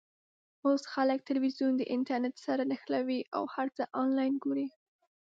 اوس خلک ټلویزیون د انټرنېټ سره نښلوي او هر څه آنلاین ګوري.